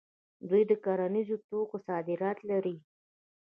دوی د کرنیزو توکو صادرات لري.